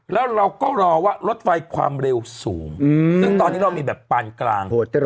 แล้วเราก็รอว่ารถไฟความเร็วสูงซึ่งตอนนี้เรามีแบบปานกลาง